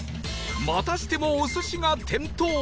またしてもお寿司が点灯